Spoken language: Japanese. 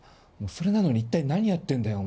それなのに一体何やってんだよ？